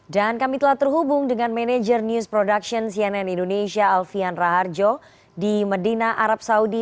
dan kami telah terhubung dengan manajer news production cnn indonesia alvian raharjo di medina arab saudi